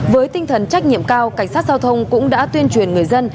với tinh thần trách nhiệm cao cảnh sát giao thông cũng đã tuyên truyền người dân